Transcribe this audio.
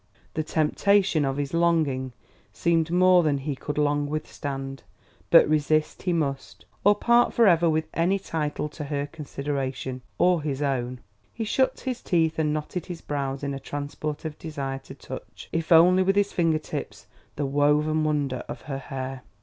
The temptation of his longing seemed more than he could long withstand. But resist he must, or part for ever with any title to her consideration or his own. He shut his teeth and knotted his brows in a transport of desire to touch, if only with his finger tips, the woven wonder of her hair.